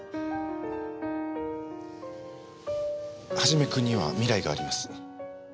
元君には未来があります。